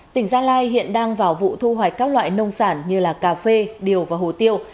tỉnh gia lai hiện đang vào vụ thu hoạch các loại nông sản như cà phê điều và hồ tiêu